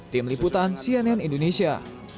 tim liputan cnn indonesia